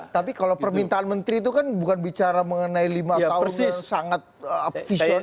tapi kalau permintaan menteri itu kan bukan bicara mengenai lima tahun sangat vision